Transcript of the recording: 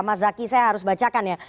mas zaky saya harus bacakan ya